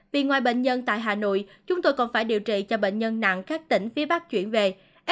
vì ngoài bệnh nhân tại hà nội chúng tôi còn phải điều trị cho bệnh nhân nặng các tỉnh phía bắc chuyển về